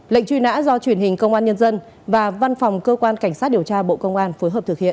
lệnh truy nã do truyền hình công an nhân dân và văn phòng cơ quan cảnh sát điều tra bộ công an phối hợp thực hiện